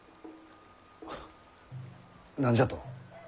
は何じゃと？